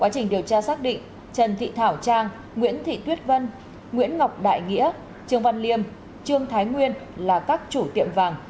điều tra xác định trần thị thảo trang nguyễn thị tuyết vân nguyễn ngọc đại nghĩa trương văn liêm trương thái nguyên là các chủ tiệm vàng